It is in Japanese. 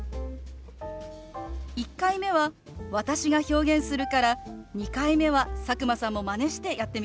１回目は私が表現するから２回目は佐久間さんもマネしてやってみてね。